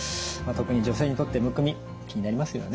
特に女性にとってむくみ気になりますよね。